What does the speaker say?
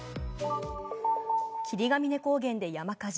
霧ヶ峰高原で山火事。